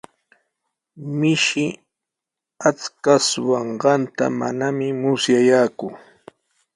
Mishi aycha suqanqanta manami musyayaaku.